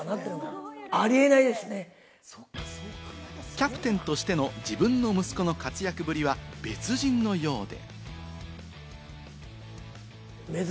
キャプテンとしての自分の息子の活躍ぶりは別人のようで。